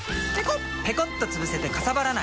ペコッとつぶせてかさばらない！